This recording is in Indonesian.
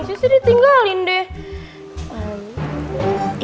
sissy ditinggalin deh